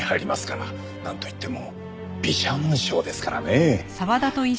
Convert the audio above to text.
なんといっても美写紋賞ですからね！